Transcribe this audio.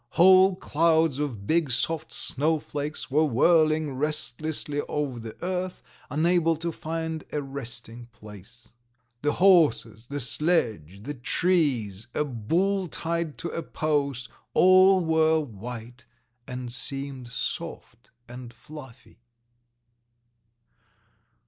Whole clouds of big soft snowflakes were whirling restlessly over the earth, unable to find a resting place. The horses, the sledge, the trees, a bull tied to a post, all were white and seemed soft and fluffy.